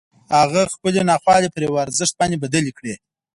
هغه خپلې ناخوالې پر یوه ارزښت باندې بدلې کړې